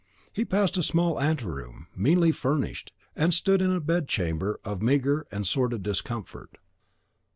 He passed a small anteroom, meanly furnished, and stood in a bedchamber of meagre and sordid discomfort.